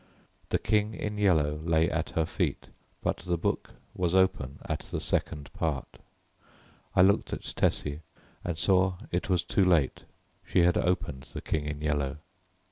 The King in Yellow lay at her feet, but the book was open at the second part. I looked at Tessie and saw it was too late. She had opened The King in Yellow.